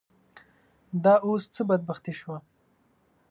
دا اوس څه بدبختي شوه.